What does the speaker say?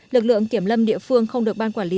lực lượng kiểm lâm địa phương không được ban quản lý